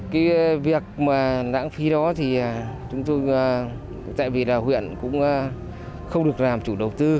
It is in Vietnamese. cái việc mà lãng phí đó thì chúng tôi tại vì là huyện cũng không được làm chủ đầu tư